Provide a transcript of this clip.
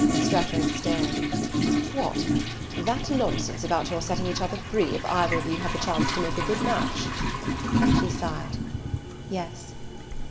Strefford stared. "What that nonsense about your setting each other free if either of you had the chance to make a good match?" She signed "Yes."